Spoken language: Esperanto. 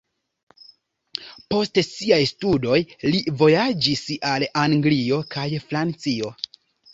Post siaj studoj, li vojaĝis al Anglio kaj Francio.